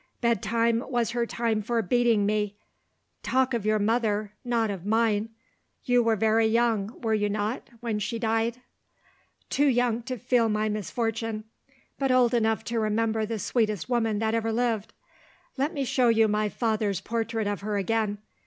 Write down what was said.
Bedtime was her time for beating me. Talk of your mother not of mine! You were very young, were you not, when she died?" "Too young to feel my misfortune but old enough to remember the sweetest woman that ever lived. Let me show you my father's portrait of her again.